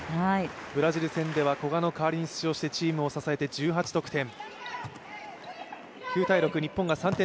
ブラジル戦では古賀の代わりに出場してチームを支えて、１８得点。